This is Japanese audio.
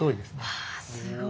わすごい。